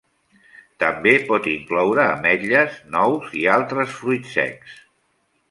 També pot incloure ametlles, nous i altres fruits secs.